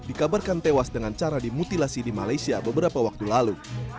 dikabarkan tewas dengan cara dimutilasi di malaysia beberapa waktu lalu